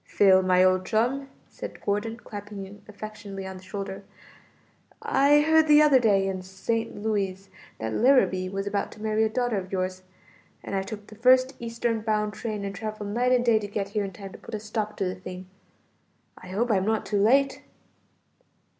"Phil, my old chum," said Gordon, clapping him affectionately on the shoulder, "I heard the other day in St. Louis, that Larrabee was about to marry a daughter of yours, and I took the first eastern bound train and traveled night and day to get here in time to put a stop to the thing. I hope I'm not too late."